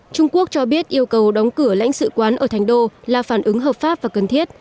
trung quốc cho biết yêu cầu đóng cửa lãnh sự quán ở thành đô là phản ứng hợp pháp và cần thiết